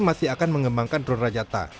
pt dahana juga mengembangkan drone rajata